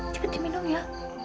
cepat diminum ya